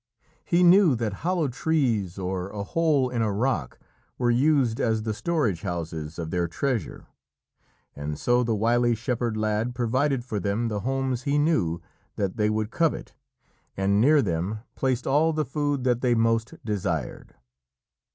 He knew that hollow trees or a hole in a rock were used as the storage houses of their treasure, and so the wily shepherd lad provided for them the homes he knew that they would covet, and near them placed all the food that they most desired.